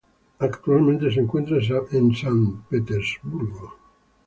Actualmente se encuentra en San Petersburgo.